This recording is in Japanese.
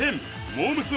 モー娘。